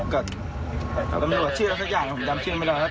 กับตำรวจชื่อแล้วสักอย่างผมจำชื่อไม่ได้